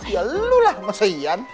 ya lu lah masa yan